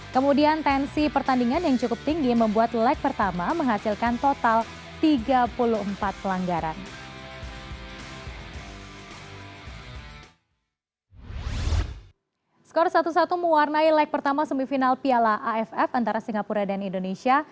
kemudian tensi pertandingan yang cukup tinggi membuat leg pertama menghasilkan total tiga puluh empat pelanggaran